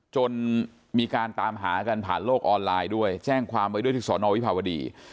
จนมีการตามหากันผ่านโลกออนไลน์ด้วยแจ้งความไว้ด้วยที่สอนอวิภาวดี